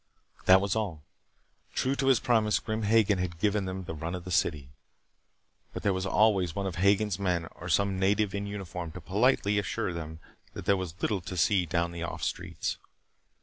That was all. True to his promise, Grim Hagen had given them the run of the city. But there was always one of Hagen's men or some native in uniform to politely assure them that there was little to see down the off streets.